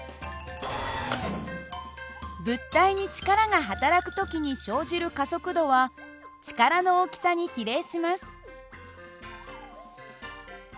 物体に力が働く時に生じる加速度は力の大きさに比例します。